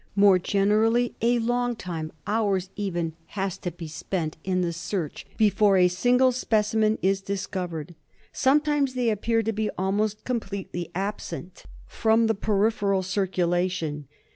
More generally a long time, hours even, has to be spent in the search before a single specimen is discovered. Sometimes they appear to be almost completely absent from the peripheral circulation.